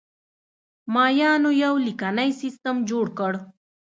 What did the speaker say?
مایانو یو لیکنی سیستم جوړ کړ